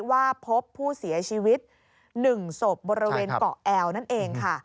ว่าพบผู้เสียชีวิต๑ศพบริเวณเกาะแอลนั่นเองค่ะ